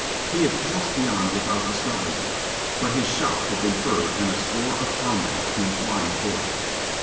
He had passed beyond without discovering me, but his shout had been heard and a score of comrades came flying toward him.